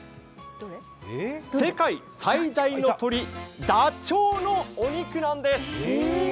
世界最大の鳥、ダチョウのお肉なんです。